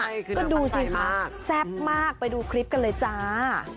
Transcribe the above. ก็ดูสิคะแซ่บมากไปดูคลิปกันเลยจ้า